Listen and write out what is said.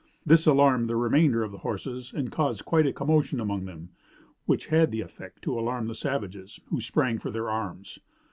This alarmed the remainder of the horses and caused quite a commotion among them, which had the effect to alarm the savages, who sprang for their arms.